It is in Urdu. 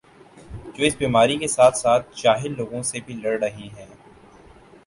جو اس بیماری کے ساتھ ساتھ جاہل لوگوں سے بھی لڑ رہے ہیں